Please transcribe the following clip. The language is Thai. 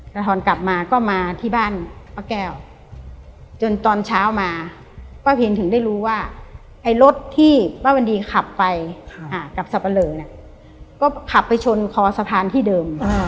ทอนกลับมาก็มาที่บ้านป้าแก้วจนตอนเช้ามาป้าเพ็ญถึงได้รู้ว่าไอ้รถที่ป้าวันดีขับไปกับสับปะเหลอเนี่ยก็ขับไปชนคอสะพานที่เดิม